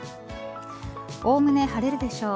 おおむね晴れるでしょう。